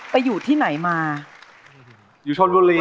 ไปอยู่ที่ไหนมาอยู่ชนบุรี